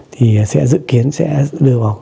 thì sẽ dự kiến sẽ đưa vào